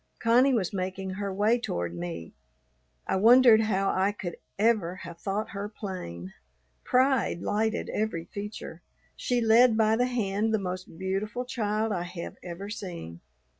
Connie was making her way toward me. I wondered how I could ever have thought her plain. Pride lighted every feature. She led by the hand the most beautiful child I have ever seen.